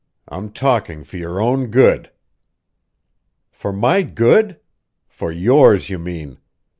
I'm talking for your own good!" "For my good? For yours, you mean!